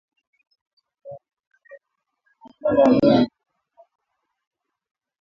kwa jirani yake wa Afrika ya kati hapo mwezi Disemba